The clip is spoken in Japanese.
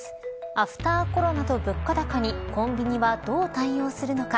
アフターコロナと物価高にコンビニはどう対応するのか。